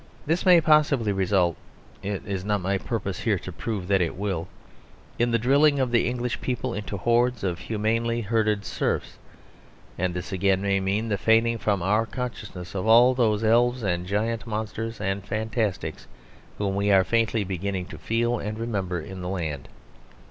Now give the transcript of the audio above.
This may possibly result (it is not my purpose here to prove that it will) in the drilling of the English people into hordes of humanely herded serfs; and this again may mean the fading from our consciousness of all those elves and giants, monsters and fantastics whom we are faintly beginning to feel and remember in the land.